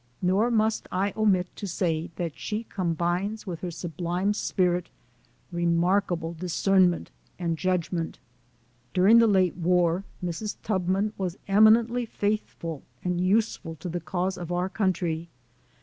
Nor must I omit to say that she com bines with her sublime spirit, remarkable discern ment and judgment. During the late war, Mrs. Tubman was eminently faithful and useful to the cause of our country.